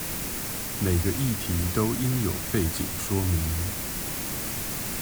每個議題都應有背景說明